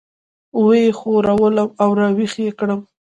وه یې ښورولم او راويښ یې کړم.